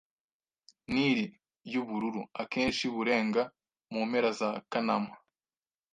Nili yubururu akenshi burenga mu mpera za Kanama